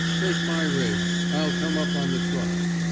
Take my rig. I'll come up on the truck."